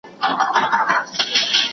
هغه خو وخته لا